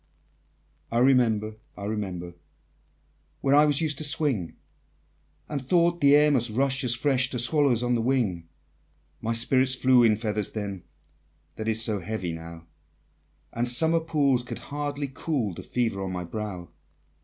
I remember, I remember, Where I was used to swing, And thought the air must rush as fresh To swallows on the wing; My spirit flew in feathers then, That is so heavy now, And summer pools could hardly cool The fever on my brow!